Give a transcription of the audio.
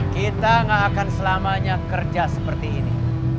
kita gak akan selamanya kerja seperti ini